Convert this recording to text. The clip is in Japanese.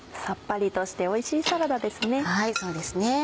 さっぱりとしておいしいサラダですね。